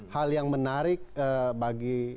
hal yang menarik bagi